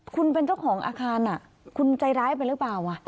คุณเป็นเจ้าของอาคารคุณใจร้ายไปหรือเปล่า